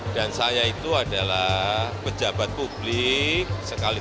dan saya itu adalah pejabat publik sekaligus pejabat politik